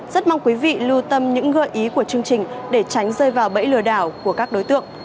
rất mong quý vị lưu tâm những gợi ý của chương trình để tránh rơi vào bẫy lừa đảo của các đối tượng